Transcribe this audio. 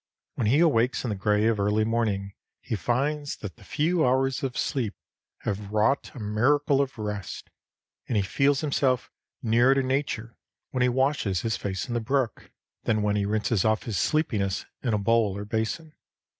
When he awakes in the gray of early morning he finds that the few hours of sleep have wrought a miracle of rest, and he feels himself nearer to nature when he washes his face in the brook, than when he rinses off his sleepiness in bowl or basin.